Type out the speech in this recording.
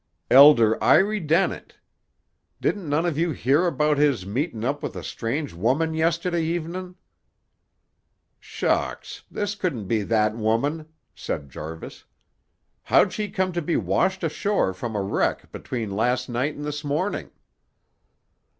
"Elder Iry Dennett. Didn't none of you hear about his meetin' up with a strange woman yestiddy evenin'?" "Shucks! This couldn't be that woman," said Jarvis. "How'd she come to be washed ashore from a wreck between last night and this morning?"